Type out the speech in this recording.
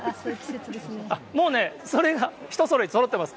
もうね、それがひとそろいそろってます。